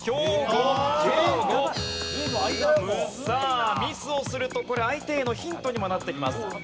さあミスをするとこれ相手へのヒントにもなってきます。